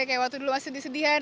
kayak waktu dulu masih disedihan